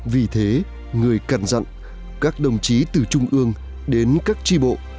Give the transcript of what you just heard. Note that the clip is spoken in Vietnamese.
vì thế người cần dặn các đồng chí từ trung ương đến các tri bộ